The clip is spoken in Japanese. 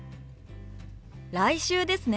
来週ですね。